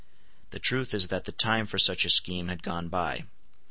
The truth is that the time for such a scheme had gone by.